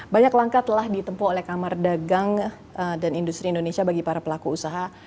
banyak langkah telah ditempuh oleh kamar dagang dan industri indonesia bagi para pelaku usaha